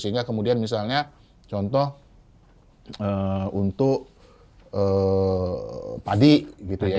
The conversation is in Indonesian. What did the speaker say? sehingga kemudian misalnya contoh untuk padi gitu ya